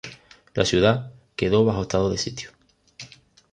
La ciudad quedó bajo estado de sitio.